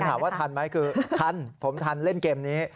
ถามว่าทันไหมคือทันผมทันเล่นเกมนี้